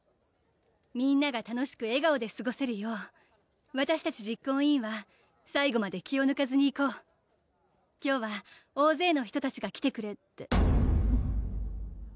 みんなが楽しく笑顔ですごせるようわたしたち実行委員は最後まで気をぬかずにいこう今日は大勢の人が来てくれてうん？